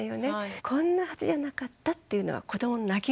こんなはずじゃなかったというのは子どもの泣き声です。